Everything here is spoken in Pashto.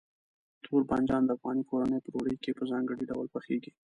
تور بانجان د افغاني کورنیو په ډوډۍ کې په ځانګړي ډول پخېږي.